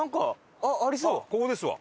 ここですわ。